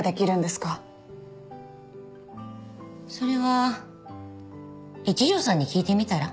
それは一条さんに聞いてみたら？